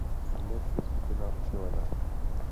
Dnes je skupina rozdělená.